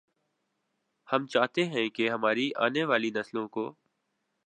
ہم چاہتے ہیں کہ ہماری آنے والی نسلوں کو